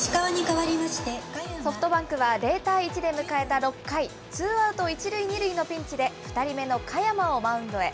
ソフトバンクは０対１で迎えた６回、ツーアウト１塁２塁のピンチで、２人目の嘉弥真をマウンドへ。